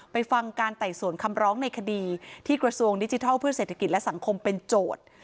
ฟังการไต่สวนคำร้องในคดีที่กระทรวงดิจิทัลเพื่อเศรษฐกิจและสังคมเป็นโจทย์